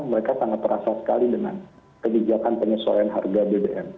mereka sangat terasa sekali dengan kebijakan penyesuaian harga bbm